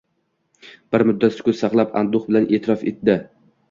— Bir muddat sukut saqlab, anduh bilan e’tirof etdi: